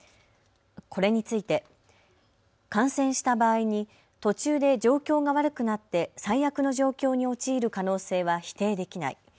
これについて、感染した場合に途中で状況が悪くなって最悪の状況に陥る可能性は否定できない。